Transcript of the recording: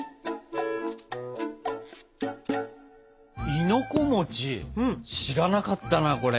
亥の子知らなかったなこれ。